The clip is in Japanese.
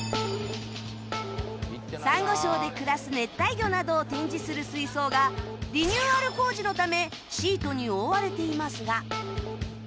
サンゴ礁で暮らす熱帯魚などを展示する水槽がリニューアル工事のためシートに覆われていますが